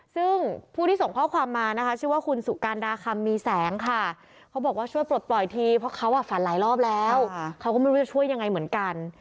ซึ่งผู้ที่ส่งข้อความมานะคะชื่อว่าคุณสุการดาคำมีแสงค่ะเขาบอกว่าช่วยปลดปล่อยทีเพราะเขาฝันหลายรอบแล้วเขาก็ไม่รู้จะช่วยยังไงเหมือนกัน